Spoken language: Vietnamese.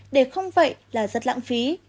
để không vậy là rất lãng phí